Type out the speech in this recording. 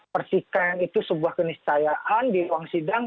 percikan itu sebuah keniscayaan di ruang sidang